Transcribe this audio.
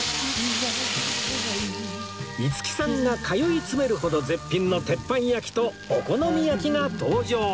五木さんが通い詰めるほど絶品の鉄板焼きとお好み焼きが登場！